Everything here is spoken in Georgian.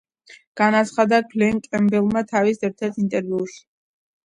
განაცხადა გლენ კემბელმა თავის ერთ-ერთ ინტერვიუში.